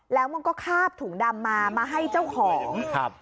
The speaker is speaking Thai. แล้วมันก็คาบถุงดำมามาให้เจ้าของครับ